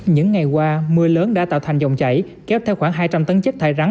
những ngày qua mưa lớn đã tạo thành dòng chảy kéo theo khoảng hai trăm linh tấn chất thải rắn